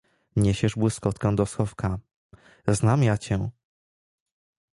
— Niesiesz błyskotkę do schowka, znam ja cię!